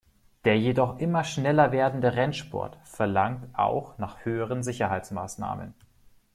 Der jedoch immer schneller werdende Rennsport verlangt auch nach höheren Sicherheitsmaßnahmen.